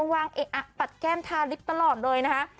วางปัดแก้มทาลิปตลอดเลยนะครับ